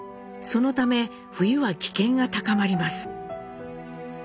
そのため冬は危険が高まります。